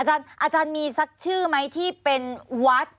อาจารย์มีสักชื่อไหมที่เป็นวัด